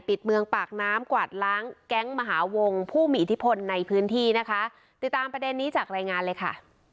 ปิดเมืองปากน้ำกวาดล้างแก๊งมหาวงผู้มีอิทธิพลในพื้นที่นะคะติดตามประเด็นนี้จากรายงานเลยค่ะ